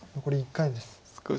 残り１回です。